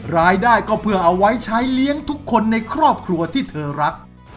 รายได้ก็เพื่อเอาไว้ใช้เลี้ยงทุกคนในครอบครัวที่เธอรัก